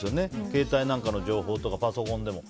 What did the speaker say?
携帯なんかの情報とかパソコンでも。